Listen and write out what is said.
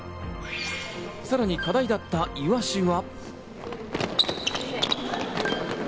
さらに課題だったイワシは。